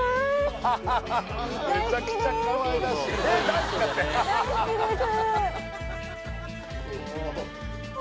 めちゃくちゃかわいらしいえっ大好きだって大好きです